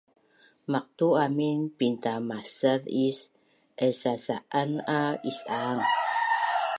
Maqtu amin pintamasaz is ailsasa’an a isang